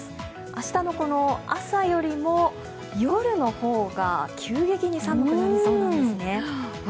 明日の朝よりも夜の方が急激に寒くなりそうなんですね。